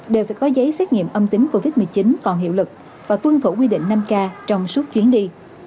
đều phải có giấy xét nghiệm âm tính covid một mươi chín còn hiệu lực và tuân thủ quy định năm k trong suốt chuyến đi